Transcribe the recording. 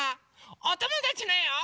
おともだちのえを。